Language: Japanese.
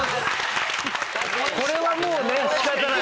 これはもう仕方ない。